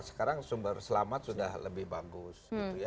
sekarang sumber selamat sudah lebih bagus